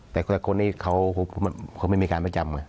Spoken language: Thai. แต่คนนี้เขาผมเขาไม่มีการไปจํ่ะ